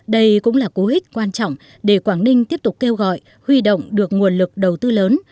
đây cũng là cố hích quan trọng để quảng ninh tiếp tục kêu gọi huy động được nguồn lực đầu tư lớn